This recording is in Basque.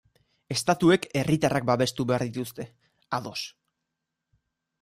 Estatuek herritarrak babestu behar dituzte, ados.